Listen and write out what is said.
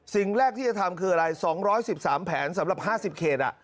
สิ่งแรกที่จะทำคืออะไร๒๑๓แผนสำหรับ๕๐เขต